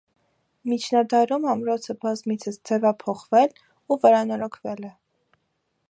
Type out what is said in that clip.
Միջնադարում ամրոցը բազմիցս ձևափոխվել ու վերանորոգվել է։